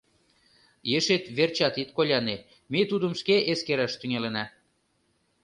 Ешет верчат ит коляне: ме тудым шке эскераш тӱҥалына.